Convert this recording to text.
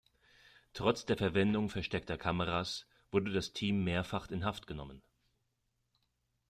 Trotz der Verwendung versteckter Kameras wurde das Team mehrfach in Haft genommen.